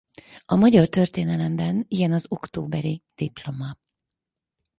A magyar történelemben ilyen az októberi diploma.